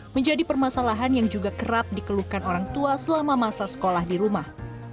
menjadi permasalahan yang juga kerap dikeluhkan orang tua selama masa sekolah di rumah